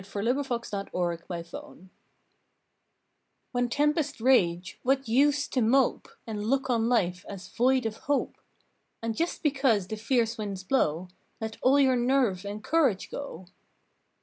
July Thirteenth OUT OF THE STORM "1\7HEN tempests rage, what use to mope And look on life as void of hope, And just because the fierce winds blow Let all your nerve and courage go!